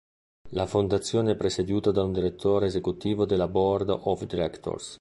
La fondazione è presieduta da un direttore esecutivo e dalla "Board of Directors".